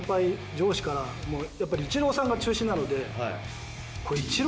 上司からもうやっぱりイチローさんが中心なので。